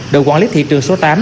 đội quản lý thị trường số tám